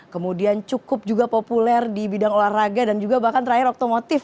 kemudian cukup juga populer di bidang olahraga dan juga bahkan terakhir otomotif